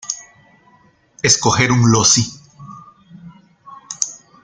Escoger un loci.